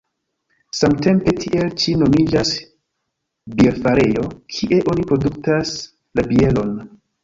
Samtempe tiel ĉi nomiĝas bierfarejo, kie oni produktas la bieron.